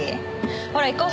ほら行こう。